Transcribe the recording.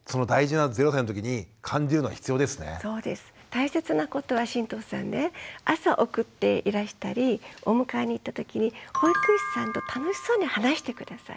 大切なことは神藤さんね朝送っていらしたりお迎えに行ったときに保育士さんと楽しそうに話して下さい。